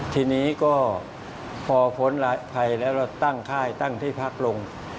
ทีนี้ก็พอพ้นภัยแล้วเราตั้งค่ายตั้งที่พักลง